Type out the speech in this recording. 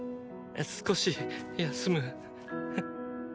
少し休む。